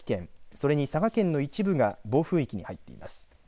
それに佐賀県の一部が暴風域に入っています。